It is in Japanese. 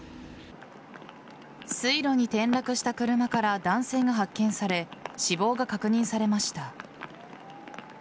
水路に転落した車から男性が発見され死亡が確認されました。